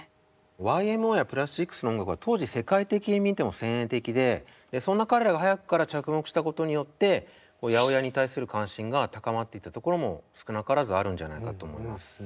ＹＭＯやプラスチックスの音楽は当時世界的に見ても先鋭的でそんな彼らが早くから着目したことによって８０８に対する関心が高まっていったところも少なからずあるんじゃないかと思います。